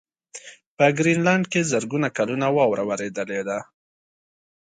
په ګرینلنډ کې زرګونه کلونه واوره ورېدلې ده